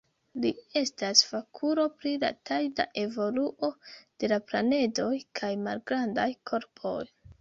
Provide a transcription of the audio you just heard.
Li estas fakulo pri la tajda evoluo de la planedoj kaj malgrandaj korpoj.